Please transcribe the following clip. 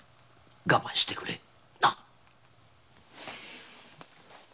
我慢してくれ。